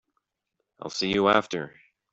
I'll see you after.